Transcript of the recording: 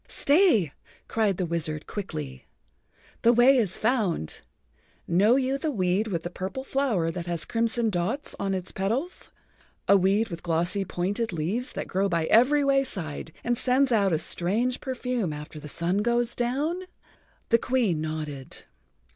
"Stay," cried the wizard quickly. "The way is found. Know you the weed with the purple flower that has crimson dots on its petals—a weed with glossy, pointed leaves that grows by every wayside and sends out a strange perfume after the sun goes down?" The Queen nodded.